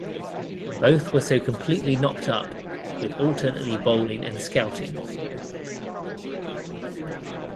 Both were so completely knocked up, with alternately bowling and scouting.